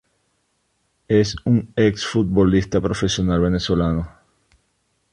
Es un Ex futbolista profesional venezolano.